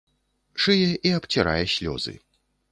Шые і абцірае слёзы.